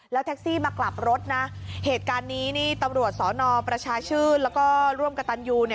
ในเส้นที่จะเสาอาทินะ